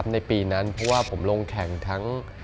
ในปีนั้นเพราะว่าผมลงแข่งทั้ง